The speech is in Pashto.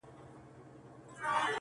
ته ډېوه را واخله ماتې هم راکه،